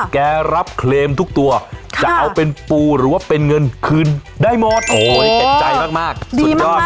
แกรับเคลมทุกตัวจะเอาเป็นปูหรือว่าเป็นเงินคืนได้หมด